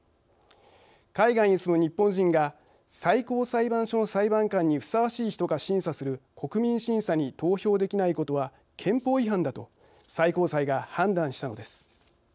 海外に住む日本人が最高裁判所の裁判官にふさわしい人か審査する国民審査に投票できないことは憲法違反だと最高裁が判断したのです。